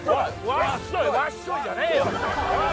わっしょいわっしょいじゃねえよ。